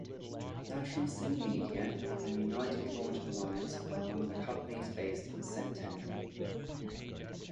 National CineMedia and United Launch Alliance are among the companies based in Centennial.